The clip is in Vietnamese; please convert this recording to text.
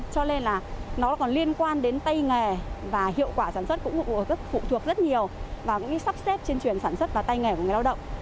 cho nên là nó còn liên quan đến tay nghề và hiệu quả sản xuất cũng phụ thuộc rất nhiều vào những sắp xếp trên truyền sản xuất và tay nghề của người lao động